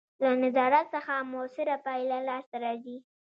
له نظارت څخه مؤثره پایله لاسته راځي.